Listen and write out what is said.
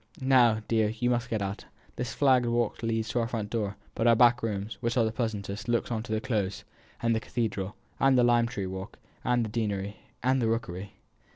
Now, dear, you must get out. This flagged walk leads to our front door; but our back rooms, which are the pleasantest, look on to the Close, and the cathedral, and the lime tree walk, and the deanery, and the rookery."